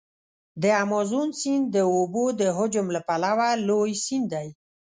د امازون سیند د اوبو د حجم له پلوه لوی سیند دی.